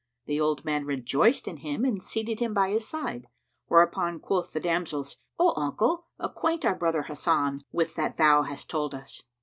The old man rejoiced in him and seated him by his side; whereupon quoth the damsels, "O uncle, acquaint our brother Hasan with that thou hast told us."